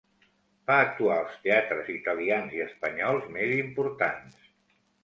Va actuar als teatres italians i espanyols més importants.